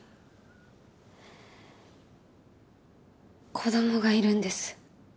子どもがいるんです。